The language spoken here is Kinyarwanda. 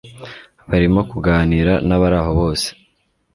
barimo kuganira nabaraho bose